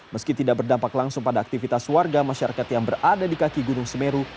meski tidak berdampak langsung pada aktivitas warga masyarakat yang berada di kaki gunung semeru